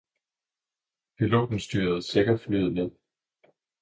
Piloten styrede sikker flyet ned.